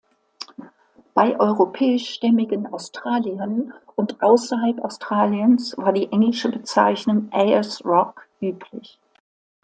Bei europäischstämmigen Australiern und außerhalb Australiens war die englische Bezeichnung "Ayers Rock" üblich.